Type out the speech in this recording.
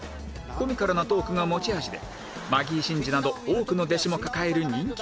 コミカルなトークが持ち味でマギー審司など多くの弟子も抱える人気手品師